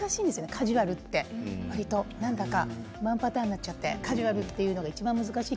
カジュアルって、なんだかワンパターンになってしまってカジュアルがいちばん難しい。